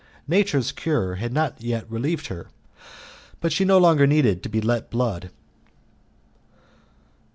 Nature's cure had not yet relieved her, but she no longer needed to be let blood.